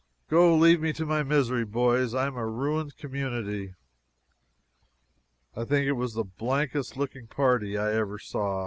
Go leave me to my misery, boys, I am a ruined community." I think it was the blankest looking party I ever saw.